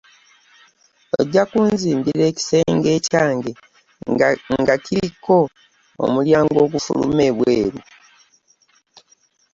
Ojja kunzimbira ekisenge ekyange nga kiriko omulyango ogufuluma ebwelu.